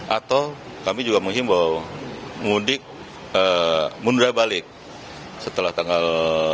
atau kami juga mengimbau mudik mundur balik setelah tanggal tujuh belas delapan belas sembilan belas